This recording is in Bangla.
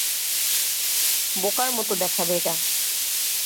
বোকার মতো দেখাবে এটা।